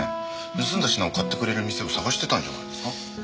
盗んだ品を買ってくれる店を探してたんじゃないですか。